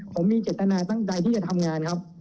ผมมีเจตนาตั้งใดที่จะทำงานครับ